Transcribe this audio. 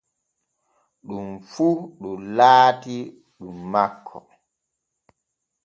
Ɗum fu ɗum laatii ɗum makko.